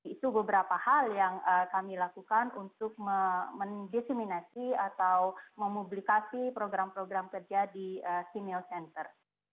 itu beberapa hal yang kami lakukan untuk mendesiminasi atau memublikasi program program kerja di simeo center